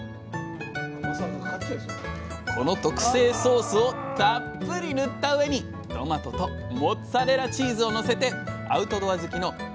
この特製ソースをたっぷり塗った上にトマトとモッツァレラチーズをのせてアウトドア好きの窪田さん